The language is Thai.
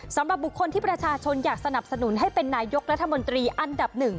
สำหรับบุคคลที่ประชาชนอยากสนับสนุนให้เป็นนายกรัฐมนตรีอันดับหนึ่ง